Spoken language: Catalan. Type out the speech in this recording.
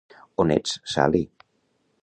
On ets, Sally?